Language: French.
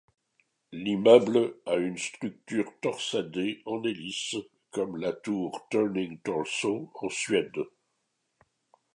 L'immeuble a une structure torsadée, en hélice, comme la tour Turning Torso en Suède.